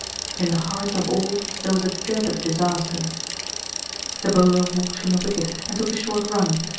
In the hearts of all there was a dread of disaster. The bowler walked from the wicket, and took a short run.